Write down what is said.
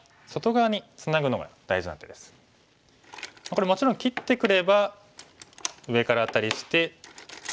これもちろん切ってくれば上からアタリして。